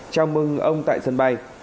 chào mừng ông tại sân bay